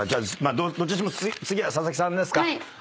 どっちにしても次は佐々木さんですか。